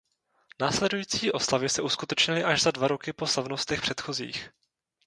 Následující oslavy se uskutečnily až za dva roky po slavnostech předchozích.